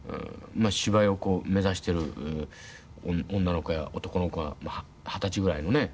芝居を目指している女の子や男の子が二十歳ぐらいのね。